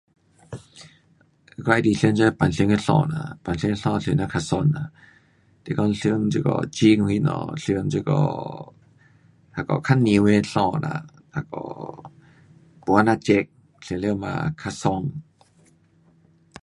我喜欢穿这平常的衣啦，平常衣穿了较爽啦。是讲穿这个 jeans 什么，穿这个那个较凉的衣啦，那个没这么热，穿了也较爽。